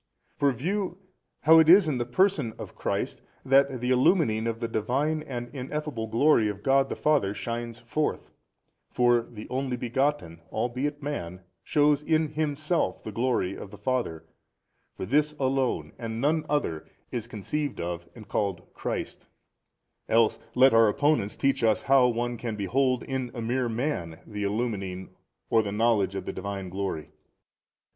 For view how it is in the Person of Christ that the illumining 52 of the Divine and Ineffable glory of God the Father shines forth: for the Only Begotten albeit made man shews in Himself the glory of the Father, for This Alone and none other is conceived of and called Christ 53. Else let our opponents teach us how one can behold in a mere man the illumining or the knowledge of the Divine glory?